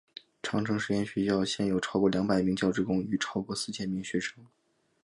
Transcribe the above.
长城实验学校现有超过两百名教职工与超过四千名学生。